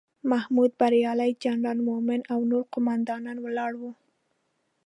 محمود بریالی، جنرال مومن او نور قوماندان ولاړ وو.